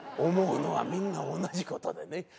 思うのはみんな同じことでね。